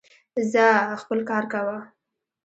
ځاا خپل کار کوه